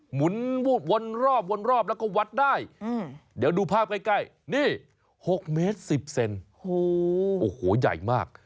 หมุนวูบวนรอบวนรอบแล้วก็วัดได้เดี๋ยวดูภาพใกล้นี่๖เมตร๑๐เซนโอ้โหใหญ่มาก